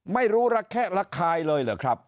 ไม่รู้ระแคะระคายเลยเหรอครับ